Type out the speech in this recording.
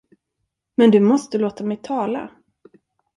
Men du måste låta mig tala!